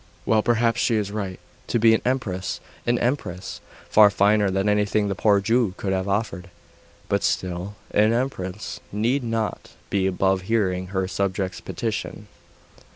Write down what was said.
Well, perhaps she is right.... To be an empress an empress!.... Far finer than anything the poor Jew could have offered.... But still.... An empress need not be above hearing her subject's petition....